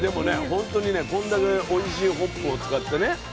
ほんとにねこんだけおいしいホップを使ってねいいビール。